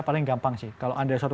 paling gampang sih kalau anda suatu